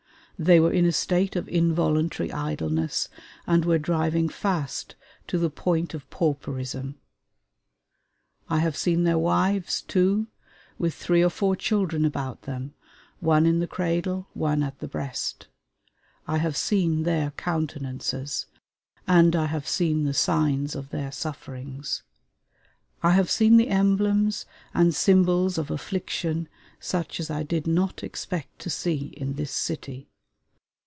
They were in a state of involuntary idleness, and were driving fast to the point of pauperism. I have seen their wives, too, with three or four children about them one in the cradle, one at the breast. I have seen their countenances, and I have seen the signs of their sufferings. I have seen the emblems and symbols of affliction such as I did not expect to see in this city.